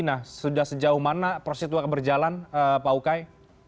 nah sudah sejauh mana proses itu akan berjalan pak ukay